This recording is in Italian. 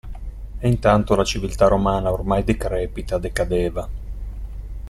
E intanto la civiltà romana, ormai decrepita, decadeva.